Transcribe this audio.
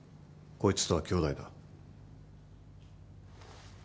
こいつとは兄弟だ。